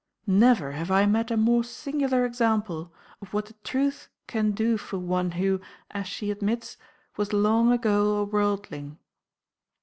Never have I met a more singular example of what the Truth can do for one who, as she admits, was long ago a worldling.